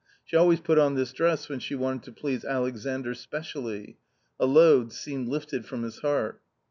She always put on this dress when she wanted to please Alexandr specially. A load seemed lifted from his heart.